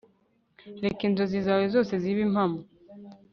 reka inzozi zawe zose zibe impamo